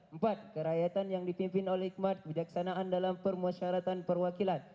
empat kerakyatan yang dipimpin oleh hikmat kebijaksanaan dalam permusyaratan perwakilan